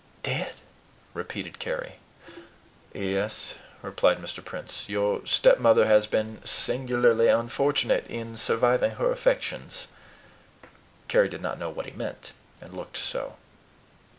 "Dead!" repeated Carry. "Yes," replied Mr. Prince. "Your stepmother has been singularly unfortunate in surviving her affections." Carry did not know what he meant, and looked so.